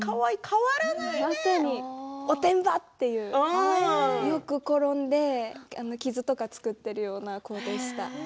まさに、おてんばというよく転んで傷とか作ってるような子でした。